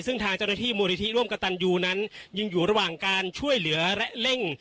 ซึ่งทางเจ้าหน้าที่มูลนิธิร่วมกับตันยูนั้นยังอยู่ระหว่างการช่วยเหลือและเร่ง